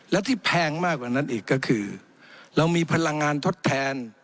และที่แพงมากกว่านั้นอีกก็คือเรามีพลังงานทดแทน